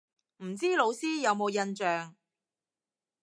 唔知老師有冇印象